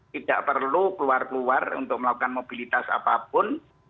tidak perlu keluar keluar untuk melakukan mobilitas apapun